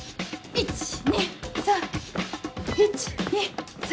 １・２・３。